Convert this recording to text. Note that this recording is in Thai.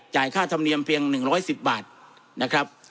ค่าธรรมเนียมเพียง๑๑๐บาทนะครับ